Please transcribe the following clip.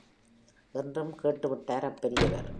என்றும் கேட்டு விட்டார் அப்பெரியவர்.